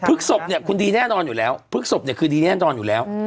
ศพเนี่ยคุณดีแน่นอนอยู่แล้วพฤกษบเนี่ยคือดีแน่นอนอยู่แล้ว